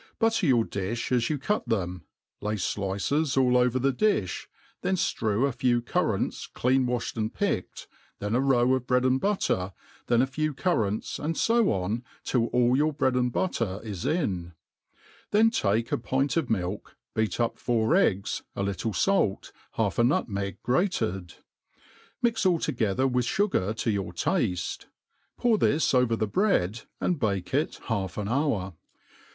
Butter your difli as you cut tbeos, hj flices^ over the difli, then ftt«w a few currants clean #afli^ to and pidced, then a row of bread and butter, then a few cur nnts, and fo on till all your bread and butter is in ; then take m pint of milk, beat up four .eggs, a little fait, half a nutmeg grated ; mix all together with iugar to yoor tafte $ pour this " over the bread, and bake it half an hour.